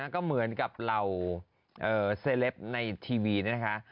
ก็เหมือนกับเหล่าเซลปในทีวีนะคะ